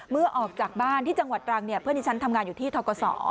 เมื่อออกจากบ้านที่จังหวัดตรังเพื่อนอีชันทำงานอยู่ที่ทะกะสอ